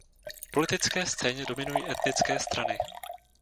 Politické scéně dominují etnické strany.